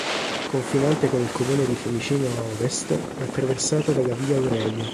Confinante con il comune di Fiumicino a ovest, è attraversata dalla via Aurelia.